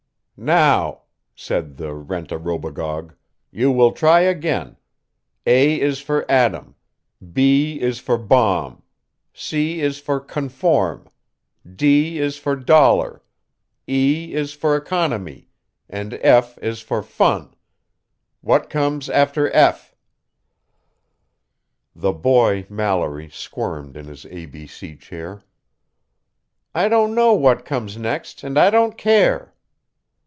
"Now," said the rent a robogogue, "you will try again: 'A' is for 'Atom', 'B' is for 'Bomb', 'C' is for 'Conform', 'D' is for 'Dollar', 'E' is for 'Economy', and 'F' is for 'Fun'. What comes after 'F'?" The boy Mallory squirmed in his ABC chair. "I don't know what comes next and I don't care!"